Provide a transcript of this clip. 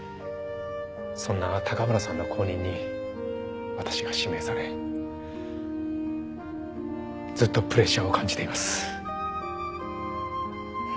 そんな高村さんの後任に私が指名されずっとプレッシャーを感じています。